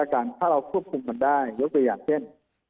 ถ้าเราควบคุมกันได้ยกตัวอย่างเช่น